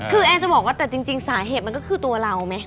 คือแอนจะบอกว่าแต่จริงสาเหตุมันก็คือตัวเราไหม